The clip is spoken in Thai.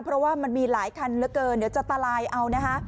เพราะว่ามันมีหลายคันเกินเนื้อจะตลายเอาน่ะฮะ